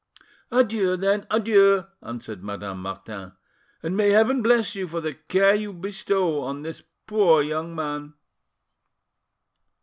"Adieu, then, adieu," answered Madame Martin; "and may Heaven bless you for the care you bestow on this poor young man!"